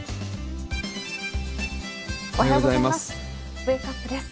おはようございます。